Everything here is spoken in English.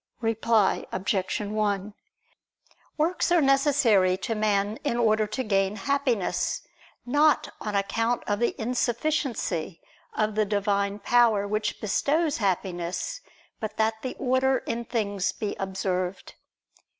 Reply Obj. 1: Works are necessary to man in order to gain Happiness; not on account of the insufficiency of the Divine power which bestows Happiness, but that the order in things be observed.